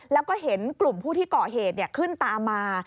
แล้วก็เห็นกลุ่มผู้ที่ก่อเหตุขึ้นตามมา